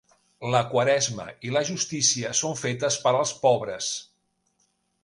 La Quaresma i la justícia són fetes per als pobres.